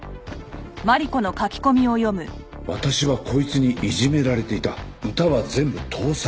「私はこいつにいじめられていた」「歌は全部盗作」